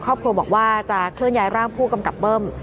ครอบครัวบอกว่าจะเคลื่อนย้ายร่างผู้กำกับเบิ้ม